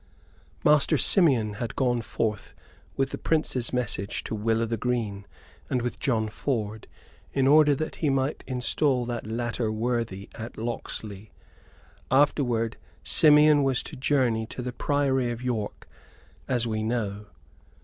Master Simeon had gone forth with the Prince's message to Will o' th' Green, and with John Ford, in order that he might install that latter worthy at Locksley. Afterward Simeon was to journey to the Priory of York, as we know.